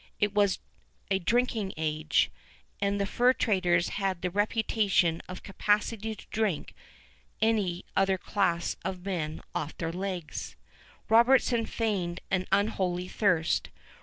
It was a drinking age; and the fur traders had the reputation of capacity to drink any other class of men off their legs. Robertson feigned an unholy thirst.